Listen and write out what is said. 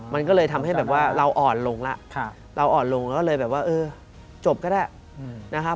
มันก็เลยทำให้แบบว่าเราอ่อนลงแล้วเราอ่อนลงเราก็เลยแบบว่าเออจบก็ได้นะครับ